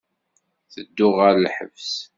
Tedduɣ ɣer lḥebs.